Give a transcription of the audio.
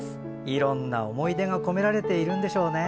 いろんな思い出が込められているんでしょうね